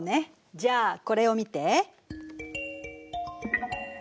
じゃあこれを見て。